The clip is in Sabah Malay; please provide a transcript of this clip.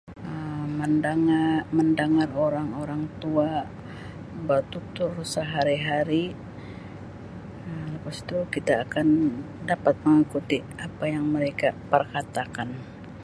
Um Mendega-mendengar orang-orang tua bertutur sehari-hari Um lepastu kita akan mendapat mengikuti apa yang mereka perkatakan.